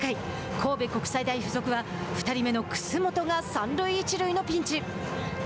神戸国際大付属は２人目の楠本が三塁一塁のピンチ。